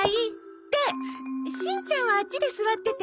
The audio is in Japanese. ってしんちゃんはあっちで座ってて。